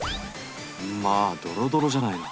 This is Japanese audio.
まあドロドロじゃないの。